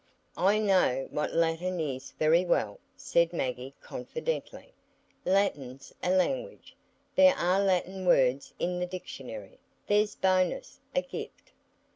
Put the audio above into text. "I know what Latin is very well," said Maggie, confidently, "Latin's a language. There are Latin words in the Dictionary. There's bonus, a gift."